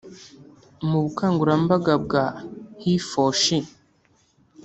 Mu bukangurambaga bwa HeForShe